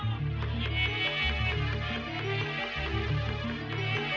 oh itu orangnya